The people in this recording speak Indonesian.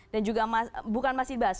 dan juga bukan masih dibahas